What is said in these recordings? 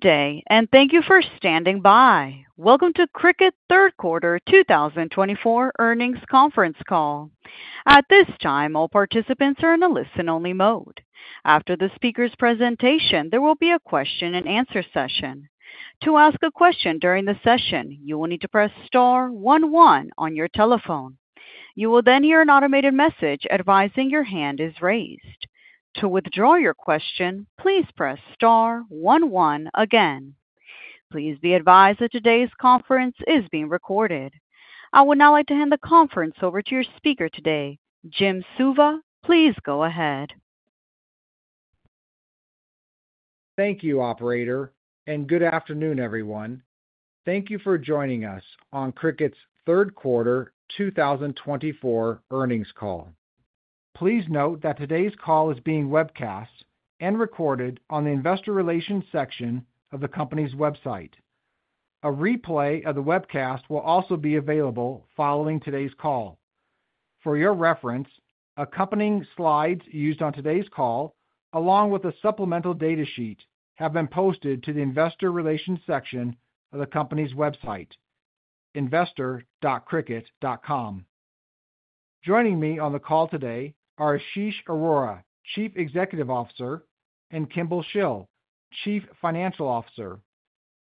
Good day, and thank you for standing by. Welcome to Cricut Q3 2024 Earnings Conference Call. At this time, all participants are in a listen-only mode. After the speaker's presentation, there will be a question-and-answer session. To ask a question during the session, you will need to press star one one on your telephone. You will then hear an automated message advising your hand is raised. To withdraw your question, please press star one one again. Please be advised that today's conference is being recorded. I would now like to hand the conference over to your speaker today, Jim Suva. Please go ahead. Thank you, Operator, and good afternoon, everyone. Thank you for joining us on Cricut's Q3 2024 Earnings Call. Please note that today's call is being webcast and recorded on the investor relations section of the company's website. A replay of the webcast will also be available following today's call. For your reference, accompanying slides used on today's call, along with a supplemental data sheet, have been posted to the investor relations section of the company's website, investor.cricut.com. Joining me on the call today are Ashish Arora, Chief Executive Officer, and Kimball Shill, Chief Financial Officer.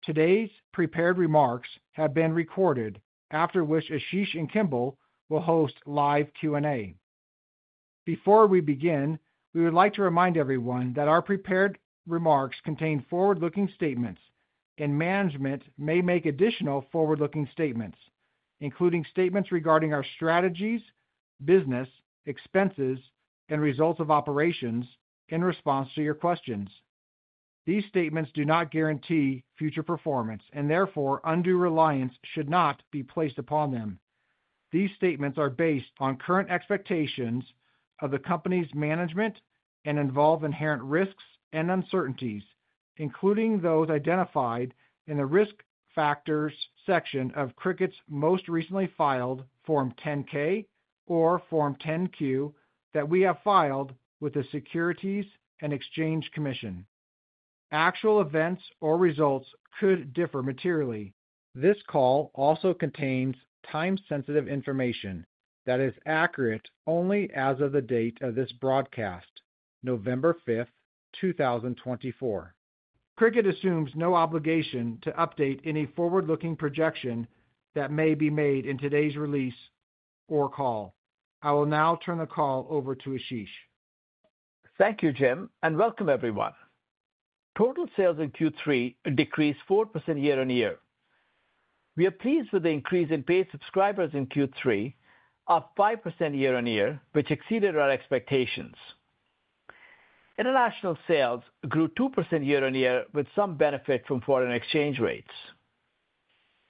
Today's prepared remarks have been recorded, after which Ashish and Kimball will host live Q&A. Before we begin, we would like to remind everyone that our prepared remarks contain forward-looking statements, and management may make additional forward-looking statements, including statements regarding our strategies, business, expenses, and results of operations in response to your questions. These statements do not guarantee future performance, and therefore, undue reliance should not be placed upon them. These statements are based on current expectations of the company's management and involve inherent risks and uncertainties, including those identified in the risk factors section of Cricut's most recently filed Form 10-K or Form 10-Q that we have filed with the Securities and Exchange Commission. Actual events or results could differ materially. This call also contains time-sensitive information that is accurate only as of the date of this broadcast, 5 November 2024. Cricut assumes no obligation to update any forward-looking projection that may be made in today's release or call. I will now turn the call over to Ashish. Thank you, Jim, and welcome, everyone. Total sales in Q3 decreased 4% year-on-year. We are pleased with the increase in paid subscribers in Q3 of 5% year-on-year, which exceeded our expectations. International sales grew 2% year-on-year, with some benefit from foreign exchange rates.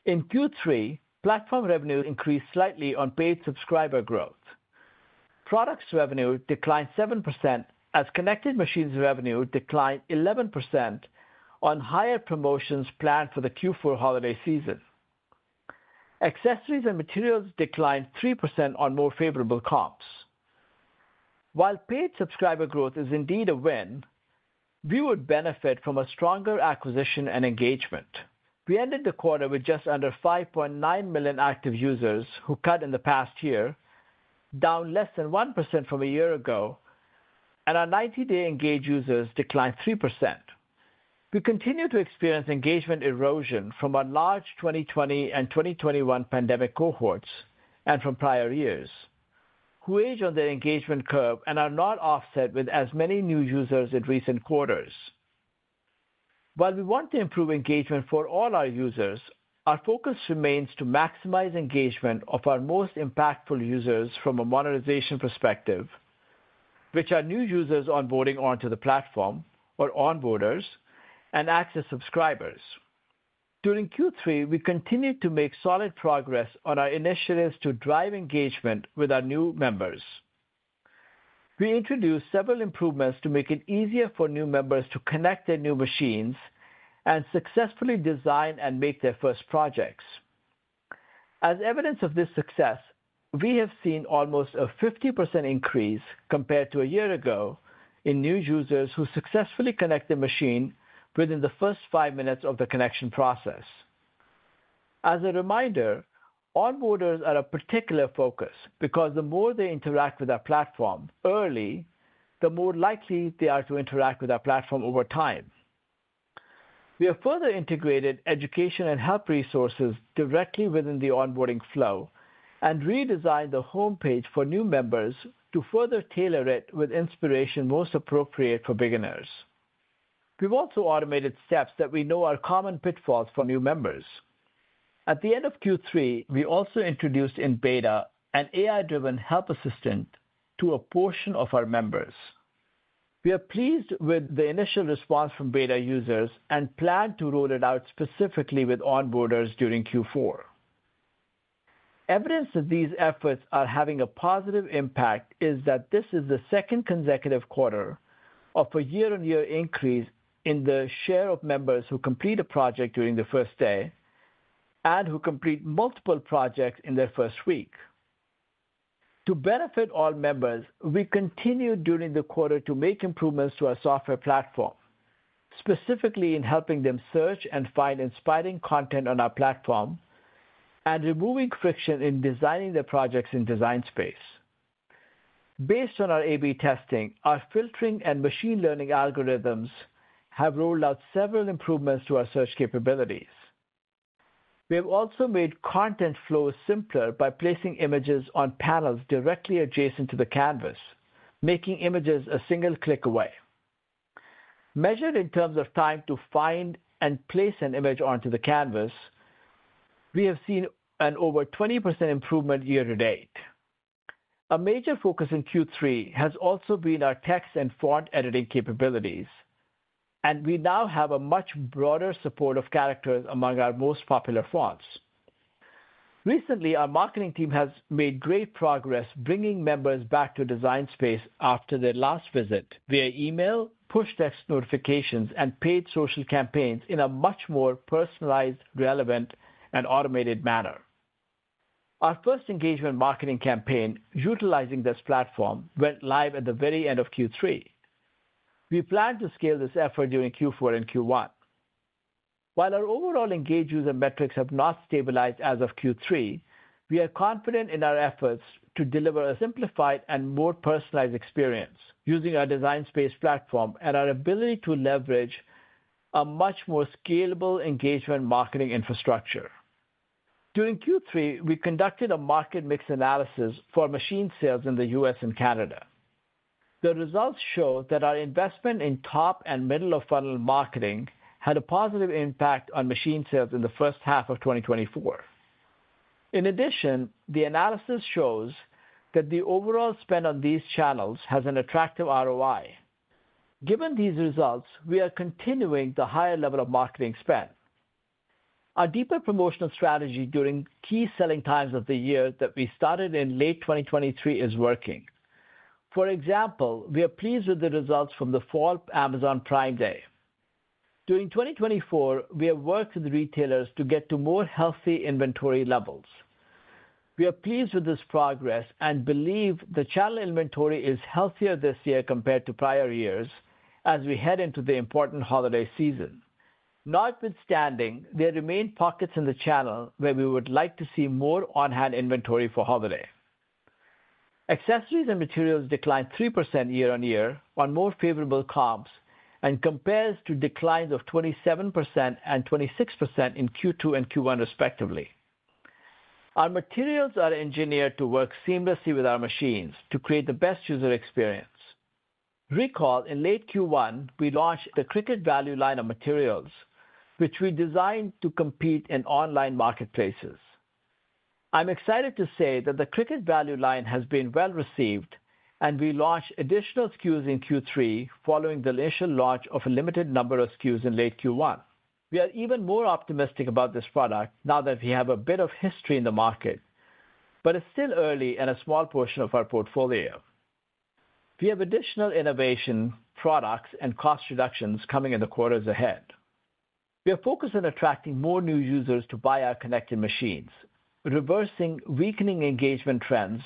In Q3, platform revenue increased slightly on paid subscriber growth. Products revenue declined 7%, as connected machines revenue declined 11% on higher promotions planned for the Q4 holiday season. Accessories and materials declined 3% on more favorable comps. While paid subscriber growth is indeed a win, we would benefit from a stronger acquisition and engagement. We ended the quarter with just under 5.9 million active users, who cut in the past year, down less than 1% from a year ago, and our 90-day engaged users declined 3%. We continue to experience engagement erosion from our large 2020 and 2021 pandemic cohorts and from prior years, who age on their engagement curve and are not offset with as many new users in recent quarters. While we want to improve engagement for all our users, our focus remains to maximize engagement of our most impactful users from a monetization perspective, which are new users onboarding onto the platform or on-boarders and active subscribers. During Q3, we continued to make solid progress on our initiatives to drive engagement with our new members. We introduced several improvements to make it easier for new members to connect their new machines and successfully design and make their first projects. As evidence of this success, we have seen almost a 50% increase compared to a year ago in new users who successfully connect their machine within the first five minutes of the connection process. As a reminder, on-boarders are a particular focus because the more they interact with our platform early, the more likely they are to interact with our platform over time. We have further integrated education and help resources directly within the onboarding flow and redesigned the homepage for new members to further tailor it with inspiration most appropriate for beginners. We've also automated steps that we know are common pitfalls for new members. At the end of Q3, we also introduced in beta an AI-driven help assistant to a portion of our members. We are pleased with the initial response from beta users and plan to roll it out specifically with on-boarders during Q4. Evidence that these efforts are having a positive impact is that this is the second consecutive quarter of a year-on-year increase in the share of members who complete a project during the first day and who complete multiple projects in their first week. To benefit all members, we continue during the quarter to make improvements to our software platform, specifically in helping them search and find inspiring content on our platform and removing friction in designing their projects in Design Space. Based on our A/B testing, our filtering and machine learning algorithms have rolled out several improvements to our search capabilities. We have also made content flows simpler by placing images on panels directly adjacent to the canvas, making images a single click away. Measured in terms of time to find and place an image onto the canvas, we have seen an over 20% improvement year to date. A major focus in Q3 has also been our text and font editing capabilities, and we now have a much broader support of characters among our most popular fonts. Recently, our marketing team has made great progress bringing members back to Design Space after their last visit via email, push text notifications, and paid social campaigns in a much more personalized, relevant, and automated manner. Our first engagement marketing campaign utilizing this platform went live at the very end of Q3. We plan to scale this effort during Q4 and Q1. While our overall engaged user metrics have not stabilized as of Q3, we are confident in our efforts to deliver a simplified and more personalized experience using our Design Space platform and our ability to leverage a much more scalable engagement marketing infrastructure. During Q3, we conducted a market mix analysis for machine sales in the US and Canada. The results show that our investment in top and middle-of-funnel marketing had a positive impact on machine sales in the first half of 2024. In addition, the analysis shows that the overall spend on these channels has an attractive ROI. Given these results, we are continuing the higher level of marketing spend. Our deeper promotional strategy during key selling times of the year that we started in late 2023 is working. For example, we are pleased with the results from the fall Amazon Prime Day. During 2024, we have worked with retailers to get to more healthy inventory levels. We are pleased with this progress and believe the channel inventory is healthier this year compared to prior years as we head into the important holiday season. Notwithstanding, there remain pockets in the channel where we would like to see more on-hand inventory for holiday. Accessories and materials declined 3% year-on-year on more favorable comps and compares to declines of 27% and 26% in Q2 and Q1, respectively. Our materials are engineered to work seamlessly with our machines to create the best user experience. Recall, in late Q1, we launched the Cricut Value line of materials, which we designed to compete in online marketplaces. I'm excited to say that the Cricut Value line has been well received, and we launched additional SKUs in Q3 following the initial launch of a limited number of SKUs in late Q1. We are even more optimistic about this product now that we have a bit of history in the market, but it's still early and a small portion of our portfolio. We have additional innovation products and cost reductions coming in the quarters ahead. We are focused on attracting more new users to buy our connected machines, reversing weakening engagement trends,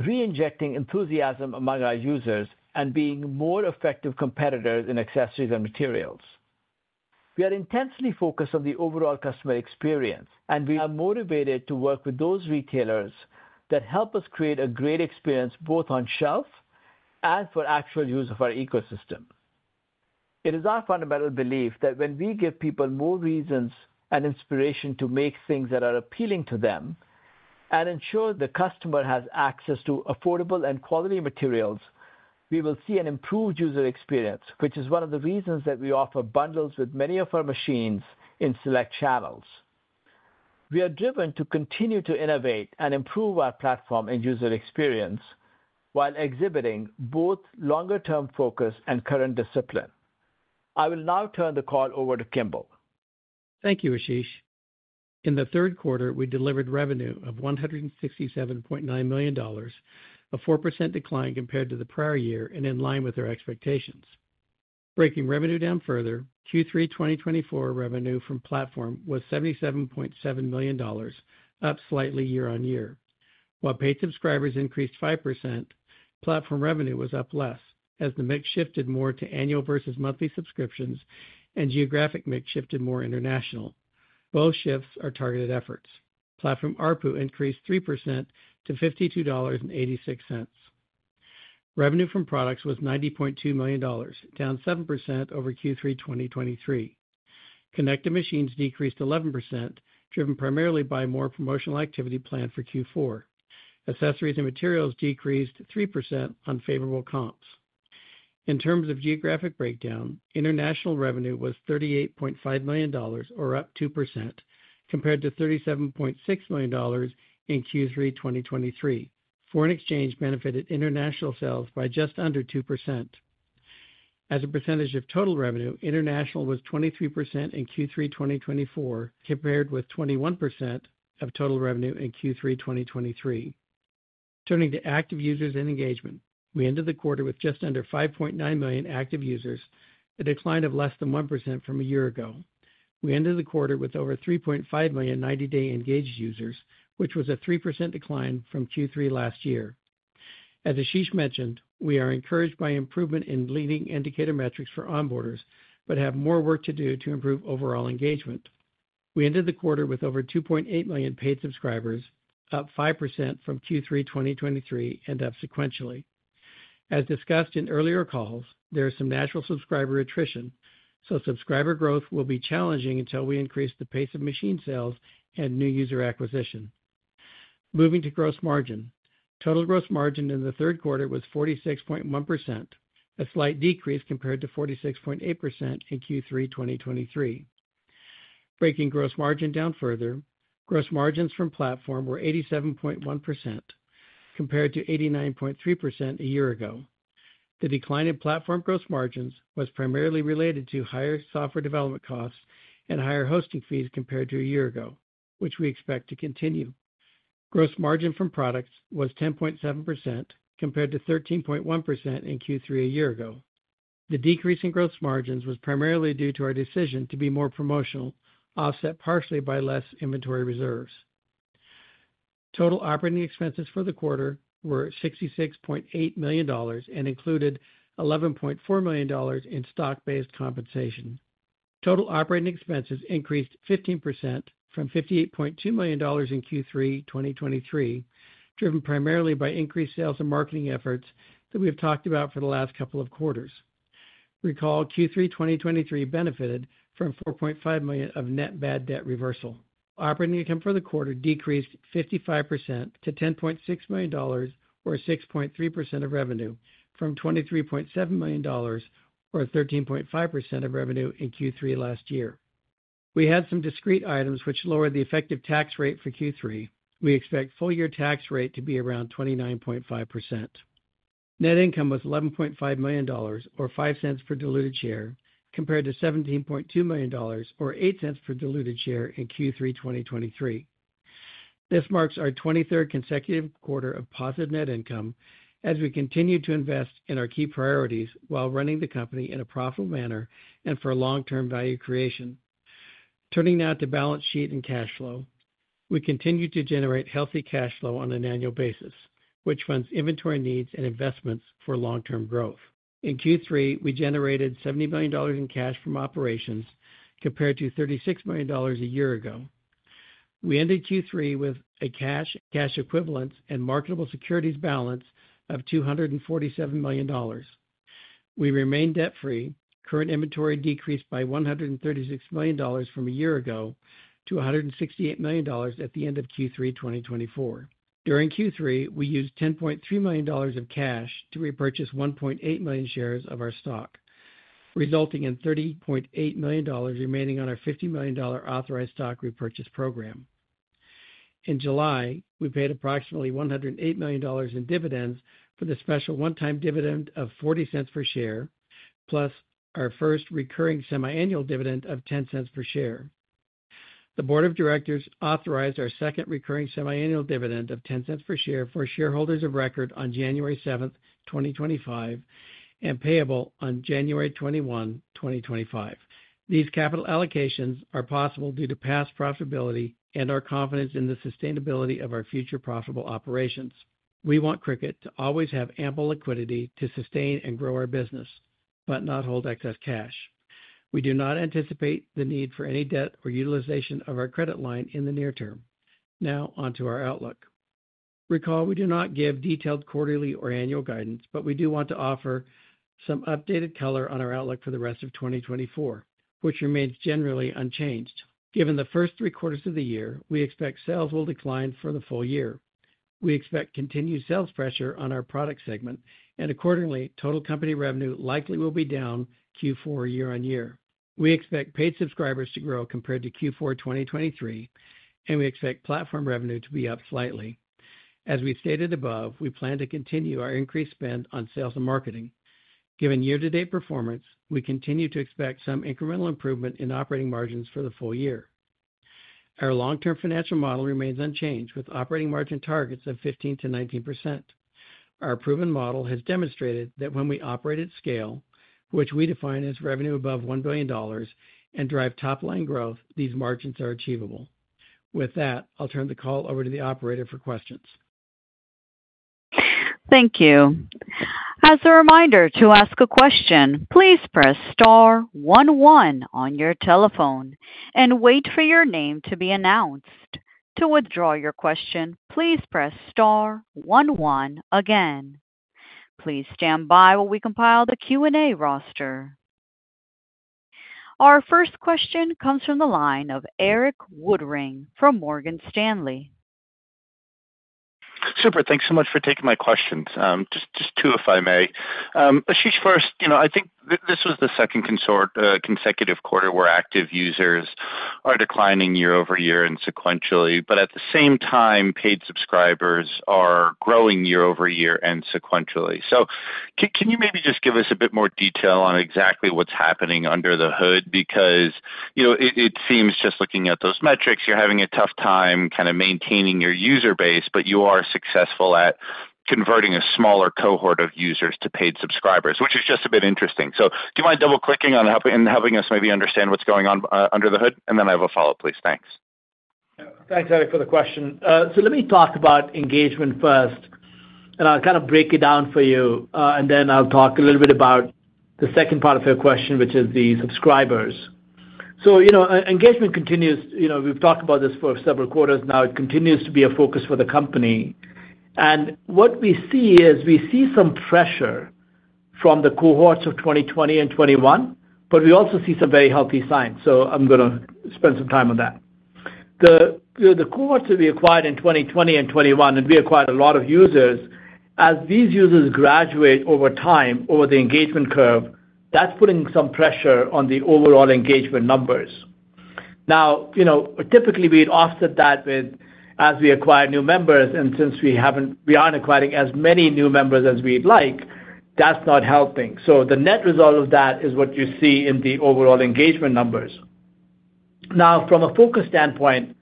reinjecting enthusiasm among our users, and being more effective competitors in accessories and materials. We are intensely focused on the overall customer experience, and we are motivated to work with those retailers that help us create a great experience both on shelf and for actual use of our ecosystem. It is our fundamental belief that when we give people more reasons and inspiration to make things that are appealing to them and ensure the customer has access to affordable and quality materials, we will see an improved user experience, which is one of the reasons that we offer bundles with many of our machines in select channels. We are driven to continue to innovate and improve our platform and user experience while exhibiting both longer-term focus and current discipline. I will now turn the call over to Kimball. Thank you, Ashish. In the Q3, we delivered revenue of $167.9 million, a 4% decline compared to the prior year and in line with our expectations. Breaking revenue down further, Q3 2024 revenue from platform was $77.7 million, up slightly year-on-year. While paid subscribers increased 5%, platform revenue was up less as the mix shifted more to annual versus monthly subscriptions and geographic mix shifted more international. Both shifts are targeted efforts. Platform ARPU increased 3% to $52.86. Revenue from products was $90.2 million, down 7% over Q3 2023. Connected machines decreased 11%, driven primarily by more promotional activity planned for Q4. Accessories and materials decreased 3% on favorable comps. In terms of geographic breakdown, international revenue was $38.5 million, or up 2%, compared to $37.6 million in Q3 2023. Foreign exchange benefited international sales by just under 2%. As a percentage of total revenue, international was 23% in Q3 2024, compared with 21% of total revenue in Q3 2023. Turning to active users and engagement, we ended the quarter with just under 5.9 million active users, a decline of less than 1% from a year ago. We ended the quarter with over 3.5 million 90-day engaged users, which was a 3% decline from Q3 last year. As Ashish mentioned, we are encouraged by improvement in leading indicator metrics for on-boarders but have more work to do to improve overall engagement. We ended the quarter with over 2.8 million paid subscribers, up 5% from Q3 2023 and up sequentially. As discussed in earlier calls, there is some natural subscriber attrition, so subscriber growth will be challenging until we increase the pace of machine sales and new user acquisition. Moving to gross margin, total gross margin in the Q3 was 46.1%, a slight decrease compared to 46.8% in Q3 2023. Breaking gross margin down further, gross margins from platform were 87.1%, compared to 89.3% a year ago. The decline in platform gross margins was primarily related to higher software development costs and higher hosting fees compared to a year ago, which we expect to continue. Gross margin from products was 10.7%, compared to 13.1% in Q3 a year ago. The decrease in gross margins was primarily due to our decision to be more promotional, offset partially by less inventory reserves. Total operating expenses for the quarter were $66.8 million and included $11.4 million in stock-based compensation. Total operating expenses increased 15% from $58.2 million in Q3 2023, driven primarily by increased sales and marketing efforts that we have talked about for the last couple of quarters. Recall, Q3 2023 benefited from $4.5 million of net bad debt reversal. Operating income for the quarter decreased 55% to $10.6 million, or 6.3% of revenue, from $23.7 million or 13.5% of revenue in Q3 last year. We had some discrete items which lowered the effective tax rate for Q3. We expect full-year tax rate to be around 29.5%. Net income was $11.5 million, or $0.05 per diluted share, compared to $17.2 million, or $0.08 per diluted share in Q3 2023. This marks our 23rd consecutive quarter of positive net income as we continue to invest in our key priorities while running the company in a profitable manner and for long-term value creation. Turning now to balance sheet and cash flow, we continue to generate healthy cash flow on an annual basis, which funds inventory needs and investments for long-term growth. In Q3, we generated $70 million in cash from operations compared to $36 million a year ago. We ended Q3 with a cash, cash equivalents, and marketable securities balance of $247 million. We remained debt-free. Current inventory decreased by $136 million from a year ago to $168 million at the end of Q3 2024. During Q3, we used $10.3 million of cash to repurchase 1.8 million shares of our stock, resulting in $30.8 million remaining on our $50 million authorized stock repurchase program. In July, we paid approximately $108 million in dividends for the special one-time dividend of $0.40 per share, plus our first recurring semiannual dividend of $0.10 per share. The board of directors authorized our second recurring semiannual dividend of $0.10 per share for shareholders of record on 7 January 2025, and payable on 21 January 2025. These capital allocations are possible due to past profitability and our confidence in the sustainability of our future profitable operations. We want Cricut to always have ample liquidity to sustain and grow our business, but not hold excess cash. We do not anticipate the need for any debt or utilization of our credit line in the near term. Now onto our outlook. Recall, we do not give detailed quarterly or annual guidance, but we do want to offer some updated color on our outlook for the rest of 2024, which remains generally unchanged. Given the first three quarters of the year, we expect sales will decline for the full year. We expect continued sales pressure on our product segment, and accordingly, total company revenue likely will be down Q4 year-on-year. We expect paid subscribers to grow compared to Q4 2023, and we expect platform revenue to be up slightly. As we stated above, we plan to continue our increased spend on sales and marketing. Given year-to-date performance, we continue to expect some incremental improvement in operating margins for the full year. Our long-term financial model remains unchanged with operating margin targets of 15% to 19%. Our proven model has demonstrated that when we operate at scale, which we define as revenue above $1 billion and drive top-line growth, these margins are achievable. With that, I'll turn the call over to the operator for questions. Thank you. As a reminder to ask a question, please press star one one on your telephone and wait for your name to be announced. To withdraw your question, please press star one one again. Please stand by while we compile the Q&A roster. Our first question comes from the line of Erik Woodring from Morgan Stanley. Super. Thanks so much for taking my questions. Just two, if I may. Ashish, first, I think this was the second consecutive quarter where active users are declining year-over-year and sequentially, but at the same time, paid subscribers are growing year-over-year and sequentially. So can you maybe just give us a bit more detail on exactly what's happening under the hood? Because it seems just looking at those metrics, you're having a tough time kind of maintaining your user base, but you are successful at converting a smaller cohort of users to paid subscribers, which is just a bit interesting. So do you mind double-clicking on helping us maybe understand what's going on under the hood? And then I have a follow-up, please. Thanks. Thanks, Erik, for the question. So let me talk about engagement first, and I'll kind of break it down for you, and then I'll talk a little bit about the second part of your question, which is the subscribers. So engagement continues. We've talked about this for several quarters now. It continues to be a focus for the company. And what we see is we see some pressure from the cohorts of 2020 and 2021, but we also see some very healthy signs. So I'm going to spend some time on that. The cohorts that we acquired in 2020 and 2021, and we acquired a lot of users. As these users graduate over time over the engagement curve, that's putting some pressure on the overall engagement numbers. Now, typically, we'd offset that with, as we acquire new members, and since we aren't acquiring as many new members as we'd like, that's not helping. So the net result of that is what you see in the overall engagement numbers. Now, from a focus standpoint,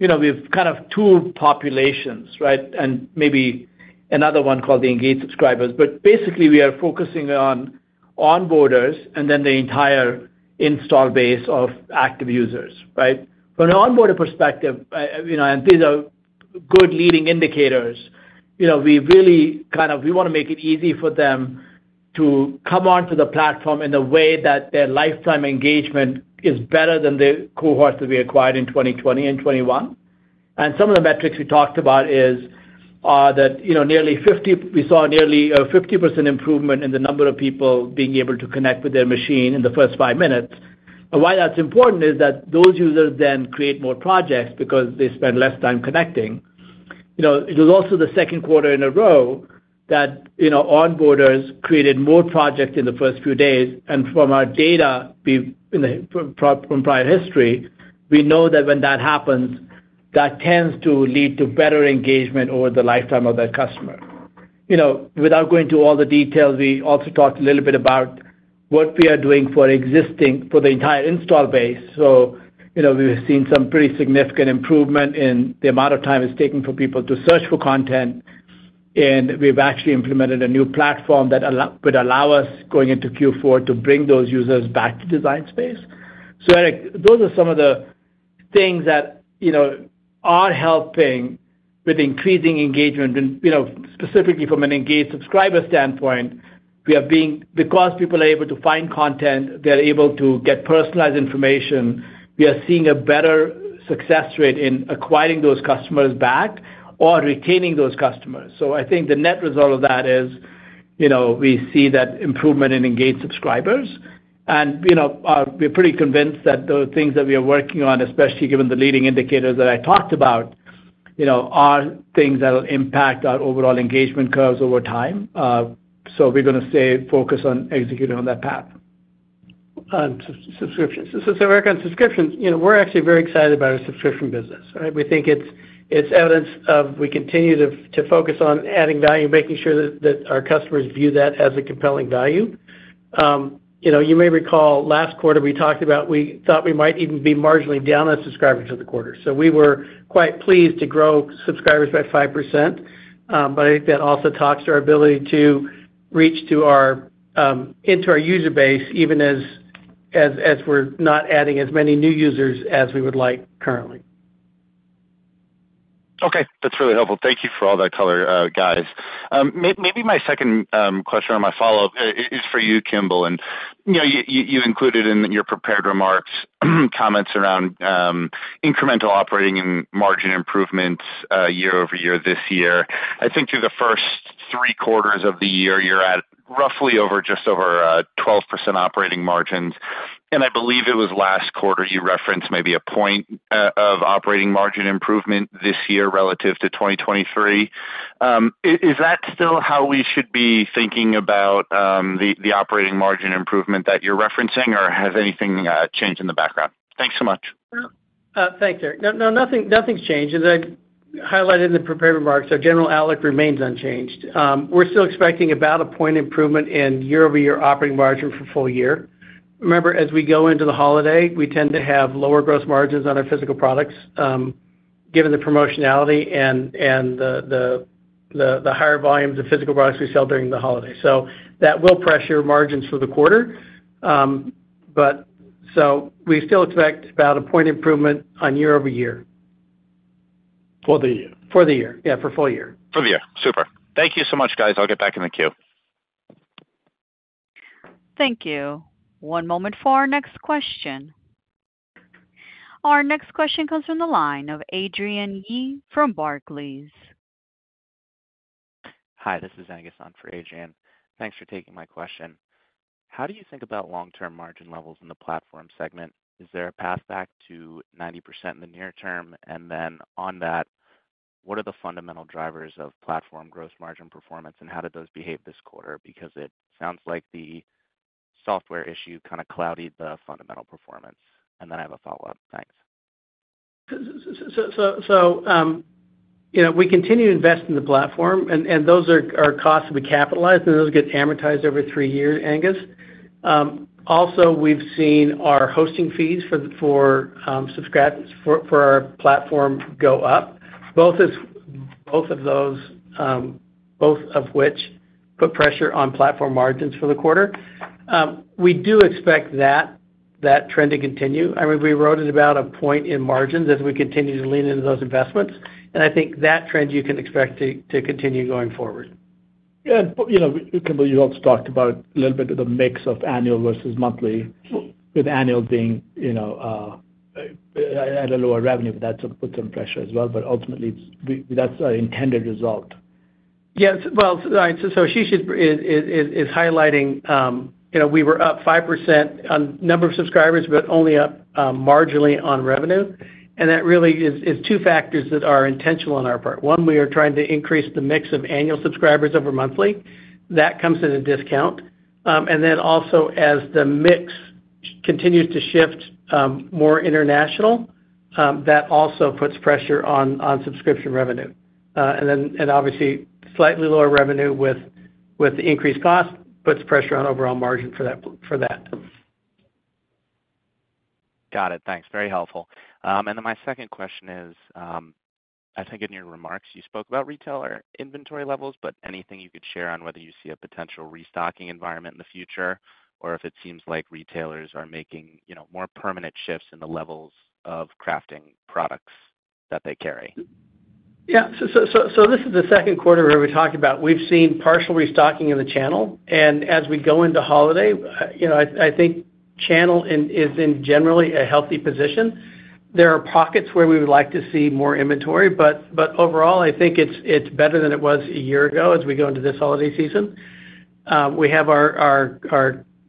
we have kind of two populations, right, and maybe another one called the engaged subscribers. But basically, we are focusing on on-boarders and then the entire install base of active users, right? From an on-boarder perspective, and these are good leading indicators, we really kind of want to make it easy for them to come onto the platform in a way that their lifetime engagement is better than the cohorts that we acquired in 2020 and 2021. Some of the metrics we talked about are that we saw nearly a 50% improvement in the number of people being able to connect with their machine in the first five minutes. Why that's important is that those users then create more projects because they spend less time connecting. It was also the Q2 in a row that on-boarders created more projects in the first few days. From our data from prior history, we know that when that happens, that tends to lead to better engagement over the lifetime of that customer. Without going into all the details, we also talked a little bit about what we are doing for the entire install base. We've seen some pretty significant improvement in the amount of time it's taking for people to search for content. We've actually implemented a new platform that would allow us, going into Q4, to bring those users back to Design Space. So, Erik, those are some of the things that are helping with increasing engagement. Specifically, from an engaged subscriber standpoint, because people are able to find content, they're able to get personalized information. We are seeing a better success rate in acquiring those customers back or retaining those customers. So I think the net result of that is we see that improvement in engaged subscribers. And we're pretty convinced that the things that we are working on, especially given the leading indicators that I talked about, are things that will impact our overall engagement curves over time. So we're going to stay focused on executing on that path. Subscriptions. So, Erik, on subscriptions, we're actually very excited about our subscription business, right? We think it's evidence of we continue to focus on adding value, making sure that our customers view that as a compelling value. You may recall, last quarter, we thought we might even be marginally down on subscribers for the quarter. So we were quite pleased to grow subscribers by 5%. But I think that also talks to our ability to reach into our user base even as we're not adding as many new users as we would like currently. Okay. That's really helpful. Thank you for all that color, guys. Maybe my second question or my follow-up is for you, Kimball. And you included in your prepared remarks comments around incremental operating and margin improvements year-over-year this year. I think through the first three quarters of the year, you're at roughly just over 12% operating margins. And I believe it was last quarter you referenced maybe a point of operating margin improvement this year relative to 2023. Is that still how we should be thinking about the operating margin improvement that you're referencing, or has anything changed in the background? Thanks so much. Thanks, Erik. No, nothing's changed. As I highlighted in the prepared remarks, our general outlook remains unchanged. We're still expecting about a point improvement in year-over-year operating margin for the full year. Remember, as we go into the holiday, we tend to have lower gross margins on our physical products given the promotionality and the higher volumes of physical products we sell during the holiday. So that will pressure margins for the quarter. So we still expect about a point improvement on year-over-year. For the year? For the year. Yeah, for the full year. For the year. Super. Thank you so much, guys. I'll get back in the queue. Thank you. One moment for our next question. Our next question comes from the line of Adrian Yee from Barclays. Hi, this is Angus on for Adrian. Thanks for taking my question. How do you think about long-term margin levels in the platform segment? Is there a path back to 90% in the near term? And then on that, what are the fundamental drivers of platform gross margin performance, and how did those behave this quarter? Because it sounds like the software issue kind of clouded the fundamental performance. And then I have a follow-up. Thanks. So we continue to invest in the platform, and those are costs that we capitalize, and those get amortized over three years, Angus. Also, we've seen our hosting fees for our platform go up, both of which put pressure on platform margins for the quarter. We do expect that trend to continue. I mean, we erode at about a point in margins as we continue to lean into those investments. And I think that trend you can expect to continue going forward. And, Kimball, you also talked about a little bit of the mix of annual versus monthly, with annual being at a lower revenue. But that puts some pressure as well. But ultimately, that's our intended result. Yes. Well, so Ashish is highlighting we were up 5% on number of subscribers, but only up marginally on revenue. And that really is two factors that are intentional on our part. One, we are trying to increase the mix of annual subscribers over monthly. That comes at a discount. And then also, as the mix continues to shift more international, that also puts pressure on subscription revenue. And then, obviously, slightly lower revenue with the increased cost puts pressure on overall margin for that. Got it. Thanks. Very helpful, and then my second question is, I think in your remarks, you spoke about retailer inventory levels, but anything you could share on whether you see a potential restocking environment in the future or if it seems like retailers are making more permanent shifts in the levels of crafting products that they carry? Yeah. So this is the Q2 where we're talking about we've seen partial restocking in the channel. And as we go into holiday, I think channel is in generally a healthy position. There are pockets where we would like to see more inventory. But overall, I think it's better than it was a year ago as we go into this holiday season. We have our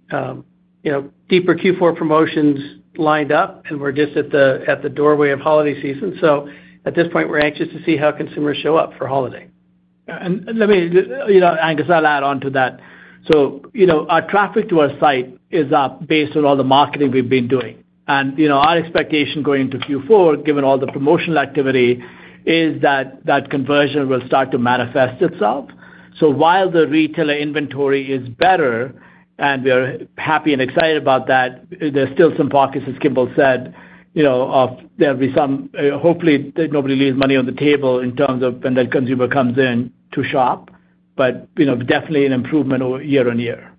deeper Q4 promotions lined up, and we're just at the doorway of holiday season. So at this point, we're anxious to see how consumers show up for holiday. Let me, Angus, add on to that. Our traffic to our site is up based on all the marketing we've been doing. Our expectation going into Q4, given all the promotional activity, is that that conversion will start to manifest itself. While the retailer inventory is better, and we are happy and excited about that, there's still some pockets, as Kimball said, of there'll be some. Hopefully, nobody leaves money on the table in terms of when that consumer comes in to shop. Definitely an improvement year on year.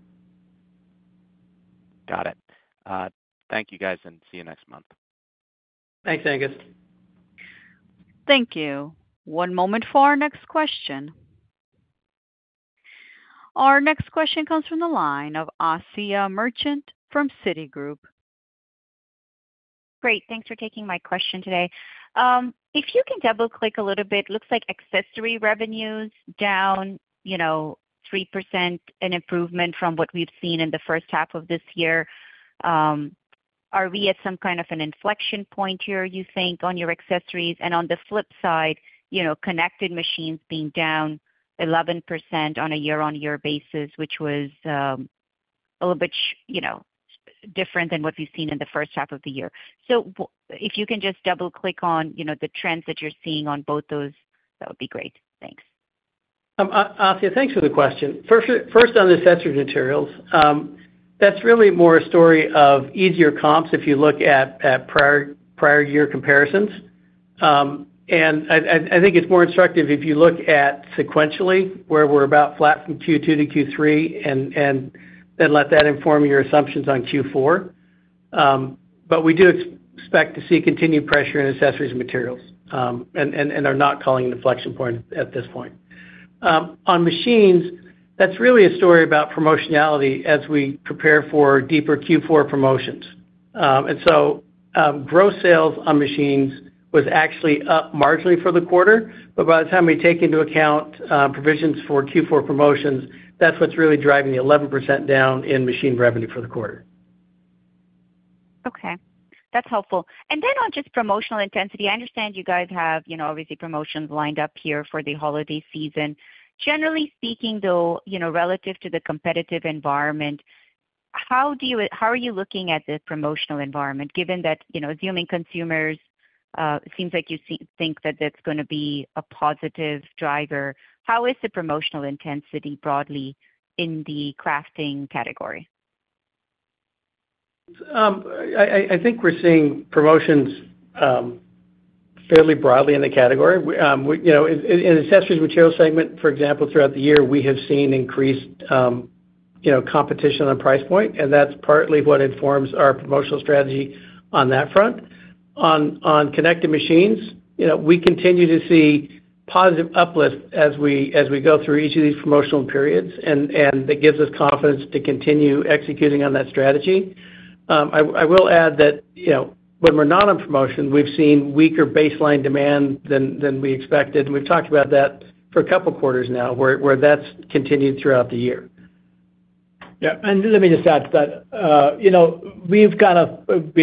Got it. Thank you, guys, and see you next month. Thanks, Angus. Thank you. One moment for our next question. Our next question comes from the line of Asiya Merchant from Citigroup. Great. Thanks for taking my question today. If you can double-click a little bit, it looks like accessory revenues down 3%, an improvement from what we've seen in the first half of this year. Are we at some kind of an inflection point here, you think, on your accessories? And on the flip side, connected machines being down 11% on a year-on-year basis, which was a little bit different than what we've seen in the first half of the year. So if you can just double-click on the trends that you're seeing on both those, that would be great. Thanks. Asiya, thanks for the question. First, on accessory materials, that's really more a story of easier comps if you look at prior year comparisons. And I think it's more instructive if you look at sequentially where we're about flat from Q2 to Q3, and then let that inform your assumptions on Q4. But we do expect to see continued pressure in accessories and materials, and are not calling an inflection point at this point. On machines, that's really a story about promotionality as we prepare for deeper Q4 promotions. And so gross sales on machines was actually up marginally for the quarter. But by the time we take into account provisions for Q4 promotions, that's what's really driving the 11% down in machine revenue for the quarter. Okay. That's helpful. And then on just promotional intensity, I understand you guys have obviously promotions lined up here for the holiday season. Generally speaking, though, relative to the competitive environment, how are you looking at the promotional environment, given that, assuming consumers, it seems like you think that that's going to be a positive driver? How is the promotional intensity broadly in the crafting category? I think we're seeing promotions fairly broadly in the category. In the accessories material segment, for example, throughout the year, we have seen increased competition on price point, and that's partly what informs our promotional strategy on that front. On connected machines, we continue to see positive uplift as we go through each of these promotional periods, and that gives us confidence to continue executing on that strategy. I will add that when we're not on promotion, we've seen weaker baseline demand than we expected, and we've talked about that for a couple of quarters now, where that's continued throughout the year. Yeah, and let me just add to that. We've kind of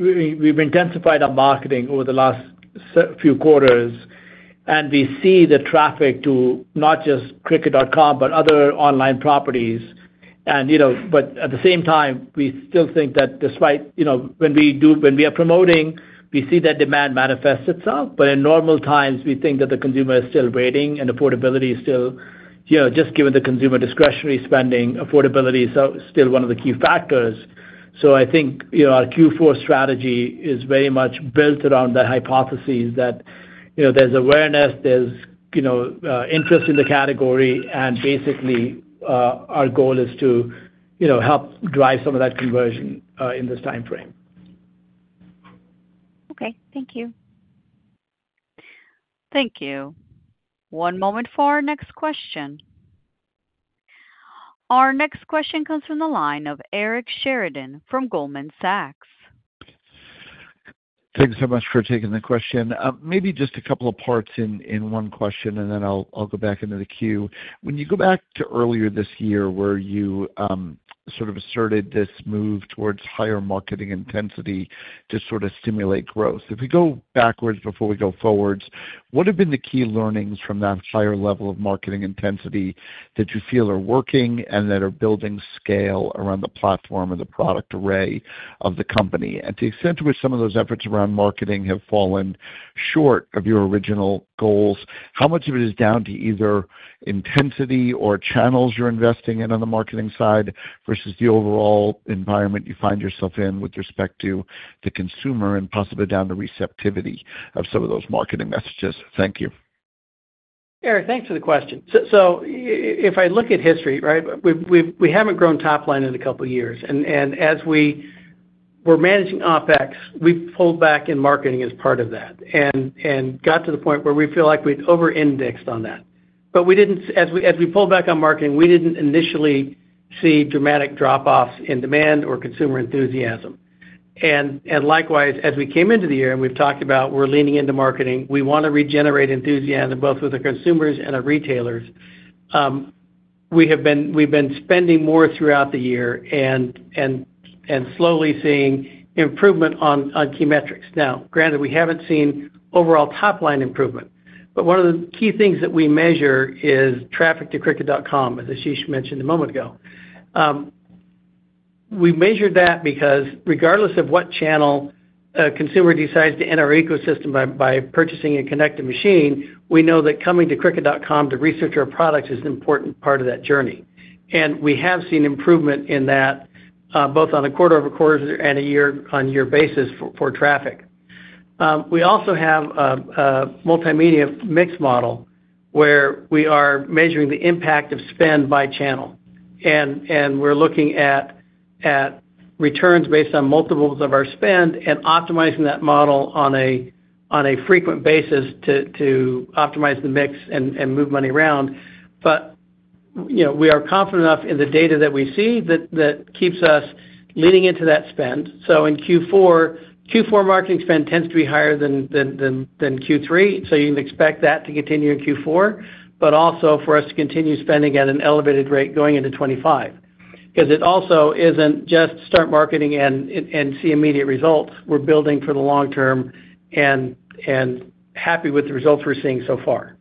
intensified our marketing over the last few quarters, and we see the traffic to not just Cricut.com, but other online properties, but at the same time, we still think that despite when we are promoting, we see that demand manifests itself, but in normal times, we think that the consumer is still waiting, and affordability is still just given the consumer discretionary spending, affordability is still one of the key factors, so I think our Q4 strategy is very much built around that hypothesis that there's awareness, there's interest in the category, and basically, our goal is to help drive some of that conversion in this time frame. Okay. Thank you. Thank you. One moment for our next question. Our next question comes from the line of Eric Sheridan from Goldman Sachs. Thanks so much for taking the question. Maybe just a couple of parts in one question, and then I'll go back into the queue. When you go back to earlier this year where you sort of asserted this move towards higher marketing intensity to sort of stimulate growth, if we go backwards before we go forwards, what have been the key learnings from that higher level of marketing intensity that you feel are working and that are building scale around the platform and the product array of the company? And to the extent to which some of those efforts around marketing have fallen short of your original goals, how much of it is down to either intensity or channels you're investing in on the marketing side versus the overall environment you find yourself in with respect to the consumer and possibly down to receptivity of some of those marketing messages? Thank you. Eric, thanks for the question. So if I look at history, right, we haven't grown top line in a couple of years. And as we were managing OpEx, we pulled back in marketing as part of that and got to the point where we feel like we'd over-indexed on that. But as we pulled back on marketing, we didn't initially see dramatic drop-offs in demand or consumer enthusiasm. And likewise, as we came into the year and we've talked about we're leaning into marketing, we want to regenerate enthusiasm both with our consumers and our retailers. We have been spending more throughout the year and slowly seeing improvement on key metrics. Now, granted, we haven't seen overall top line improvement. But one of the key things that we measure is traffic to Cricut.com, as Ashish mentioned a moment ago. We measure that because regardless of what channel a consumer decides to enter our ecosystem by purchasing a connected machine, we know that coming to Cricut.com to research our products is an important part of that journey, and we have seen improvement in that both on a quarter-over-quarter and a year-on-year basis for traffic. We also have a multimedia mix model where we are measuring the impact of spend by channel, and we're looking at returns based on multiples of our spend and optimizing that model on a frequent basis to optimize the mix and move money around, but we are confident enough in the data that we see that keeps us leaning into that spend, so in Q4, Q4 marketing spend tends to be higher than Q3. So you can expect that to continue in Q4, but also for us to continue spending at an elevated rate going into 2025. Because it also isn't just start marketing and see immediate results. We're building for the long term and happy with the results we're seeing so far.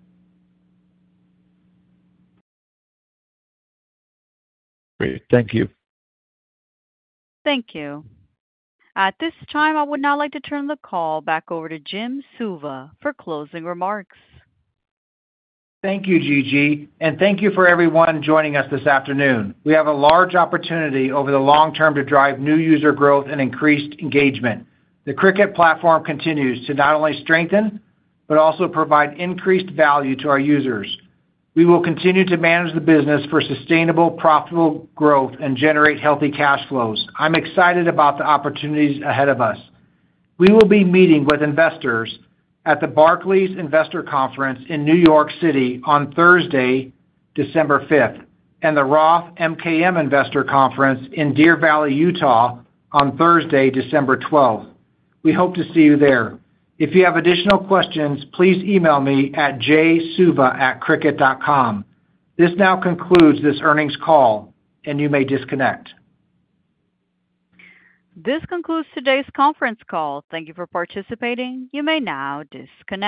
Great. Thank you. Thank you. At this time, I would now like to turn the call back over to Jim Suva for closing remarks. Thank you, Gigi. And thank you for everyone joining us this afternoon. We have a large opportunity over the long term to drive new user growth and increased engagement. The Cricut platform continues to not only strengthen but also provide increased value to our users. We will continue to manage the business for sustainable, profitable growth and generate healthy cash flows. I'm excited about the opportunities ahead of us. We will be meeting with investors at the Barclays Investor Conference in New York City on Thursday, 5 December, and the Roth MKM Investor Conference in Deer Valley, Utah, on Thursday, 12 December. We hope to see you there. If you have additional questions, please email me at jsuva@cricut.com. This now concludes this earnings call, and you may disconnect. This concludes today's conference call. Thank you for participating. You may now disconnect.